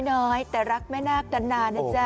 แม่นักน้อยแต่รักแม่นักกันนานะจ้ะ